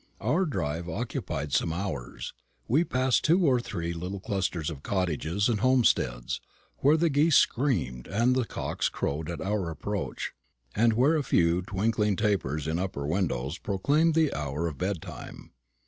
Our drive occupied some hours. We passed two or three little clusters of cottages and homesteads, where the geese screamed and the cocks crowed at our approach, and where a few twinkling tapers in upper windows proclaimed the hour of bed time.